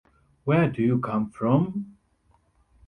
Where do you come from?